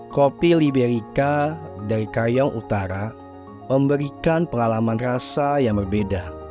kopi libeika dari kayang utara memberikan pengalaman rasa yang berbeda